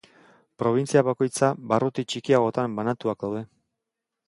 Probintzia bakoitza barruti txikiagotan banatuak daude.